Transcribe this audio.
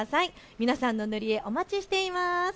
皆さんの塗り絵お待ちしています。